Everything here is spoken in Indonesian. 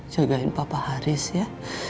jagain papa haris ya